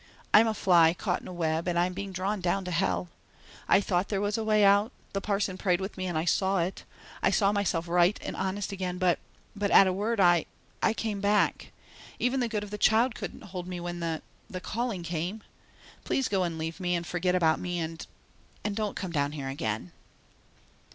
I'm a fly caught in a web and I'm being drawn down to hell. I thought there was a way out; the parson prayed with me and I saw it. I saw myself right and honest again, but but at a word I I came back. Even the good of the child couldn't hold me when the the calling came. Please go and leave me, and forget about me and and don't come down here again."